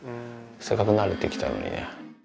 せっかく慣れて来たのにね。